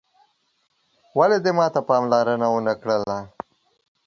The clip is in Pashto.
ولي دې ماته پاملرنه وه نه کړل